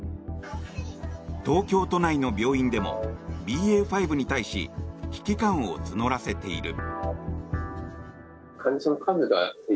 東京都内の病院でもＢＡ．５に対し危機感を募らせている。